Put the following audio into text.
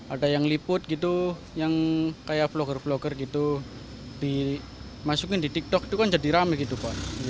ada yang liput gitu yang kayak blogger blogger gitu dimasukin di tiktok itu kan jadi rame gitu pak